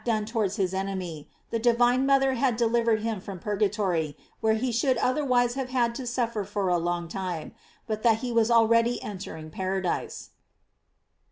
721 done towards his enemy, the divine mother had delivered him from purgatory, where he should otherwise have had to suffer for a long time, but that he was then already entering paradise.